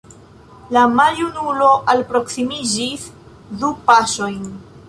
La maljunulo alproksimiĝis du paŝojn.